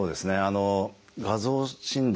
画像診断